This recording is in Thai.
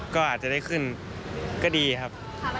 ก็อาจจะได้ขึ้นก็ดีครับ